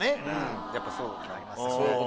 やっぱそうなんですね。